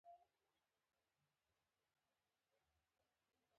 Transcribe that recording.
ـ ښه وکړه ، ويالې ته يې واچوه.